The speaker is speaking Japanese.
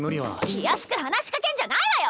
気安く話しかけんじゃないわよ！